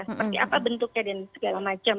seperti apa bentuknya dan segala macam